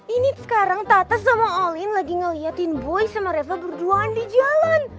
ini sekarang tata sama olin lagi ngeliatin boy sama reva berduaan di jalan